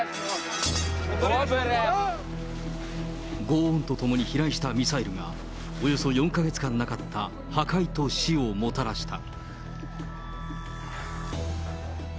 ごう音とともに飛来したミサイルが、およそ４か月間なかった破壊と死をもたらした。